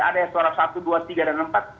ada yang suara satu dua tiga dan empat